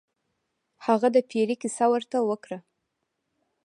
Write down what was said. هغه د پیري کیسه ورته وکړه.